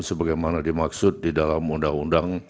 sebagaimana dimaksud di dalam undang undang